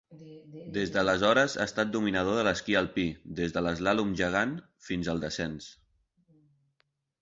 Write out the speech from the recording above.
Des d'aleshores ha estat dominador de l'esquí alpí, des de l'eslàlom gegant fins al descens.